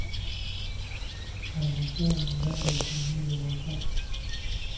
Abakyala baleeta emmere awaka.